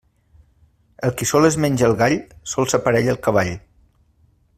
El qui sol es menja el gall sol s'aparella el cavall.